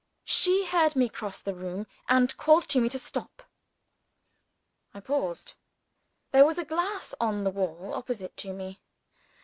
She heard me cross the room, and called to me to stop. I paused. There was a glass on the wall opposite to me.